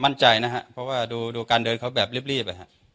มั่นใจนะฮะเพราะว่าดูการเดินเขาแบบรีบ